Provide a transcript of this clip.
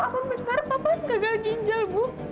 papa benar papa gagal ginjal bu